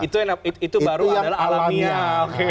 itu baru yang alamiah